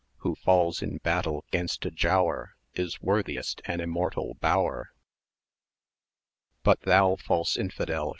Who falls in battle 'gainst a Giaour Is worthiest an immortal bower. But thou, false Infidel!